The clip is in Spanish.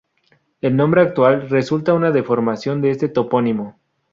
El nombre actual resulta una deformación de ese topónimo.